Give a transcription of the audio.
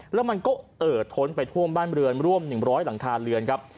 แล้วมันก็เอ่อท้นไปท่วมบ้านเรือนร่วม๑๐๐หลังคาเรือนครับ